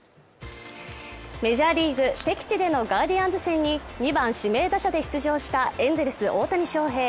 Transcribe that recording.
メジャーリーグ敵地でのガーディアンズ戦に２番指名打者で出場したエンゼルス大谷翔平